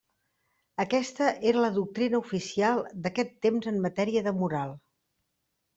Aquesta era la doctrina oficial d'aquest temps en matèria de moral.